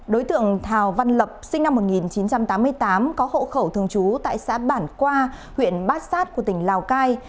đối tượng thào văn lập sinh năm một nghìn chín trăm tám mươi tám có hộ khẩu thường trú tại xã bản qua huyện bát sát của tỉnh lào cai